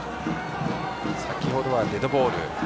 先程はデッドボール。